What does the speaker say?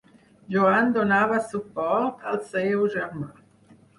Joan donava suport al seu germà.